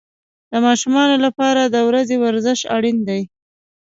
د ماشومانو لپاره د ورځې ورزش اړین دی.